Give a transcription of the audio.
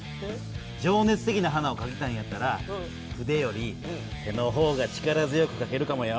情熱的な花をかきたいんやったら筆より手の方が力強くかけるかもよ。